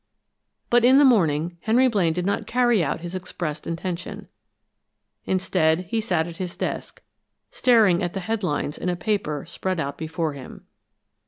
But in the morning Henry Blaine did not carry out his expressed intention. Instead, he sat at his desk, staring at the headlines in a paper spread out before him.